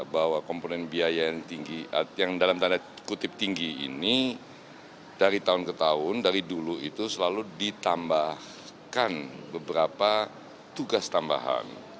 bahwa komponen biaya yang tinggi yang dalam tanda kutip tinggi ini dari tahun ke tahun dari dulu itu selalu ditambahkan beberapa tugas tambahan